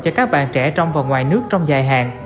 cho các bạn trẻ trong và ngoài nước trong dài hạn